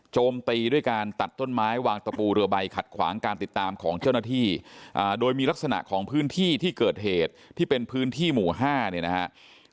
โจมตีด้วยการตัดต้นไม้วางตะปูเรือใบขัดขวางการติดตามของเจ้าหน้าที่โดยมีลักษณะของพื้นที่ที่เกิดเหตุที่เป็นพื้นที่หมู่๕เนี่ยนะครับ